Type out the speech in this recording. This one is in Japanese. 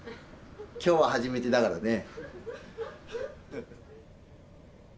今日は初めてだからね。